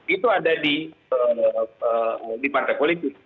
itu ada di partai politik